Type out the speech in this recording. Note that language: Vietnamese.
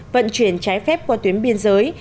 vận chuyển trái phép qua tuyến biên giới